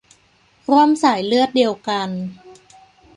ร่วมสายเลือดเดียวกัน